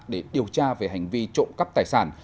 để điều tra về hành vi trộm cắp tài sản